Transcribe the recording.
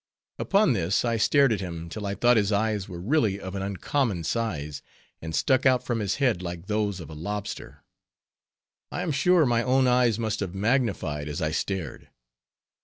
Upon this, I stared at him till I thought his eyes were really of an uncommon size, and stuck out from his head like those of a lobster. I am sure my own eyes must have magnified as I stared.